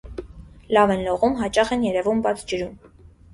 Լավ են լողում, հաճախ են երևում բաց ջրում։